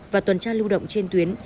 và tuần tra lưu động trên tuyến